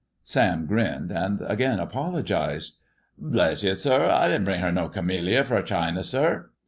Sam grinned, and again apologized. " Bless y', sir, I didn't bring no camelliar fro' Chiner, Sir.